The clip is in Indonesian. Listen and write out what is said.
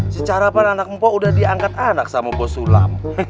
secara para anak mpok udah diangkat anak sama bos sulam